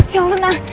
ya allah nang